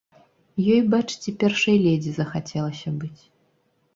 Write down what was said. Ёй, бачыце, першай лэдзі захацелася быць!